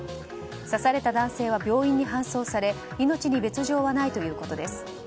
刺された男性は病院に搬送され命に別条はないということです。